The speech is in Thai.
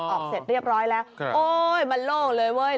ออกเสร็จเรียบร้อยแล้วโอ๊ยมันโล่งเลยเว้ย